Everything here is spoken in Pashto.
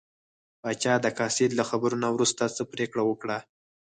پاچا د قاصد له خبرو نه وروسته څه پرېکړه وکړه.